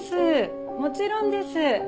もちろんです。